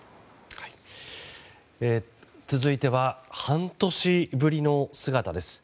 続いては半年ぶりの姿です。